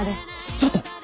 ちょっと！